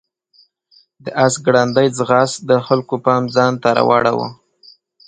د آس ګړندی ځغاست د خلکو پام ځان ته راواړاوه.